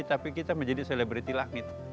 tapi kita menjadi selebriti langit